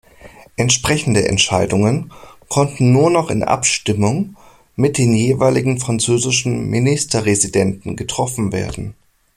Entsprechende Entscheidungen konnten nur noch in Abstimmung mit dem jeweiligen französischen Ministerresidenten getroffen werden.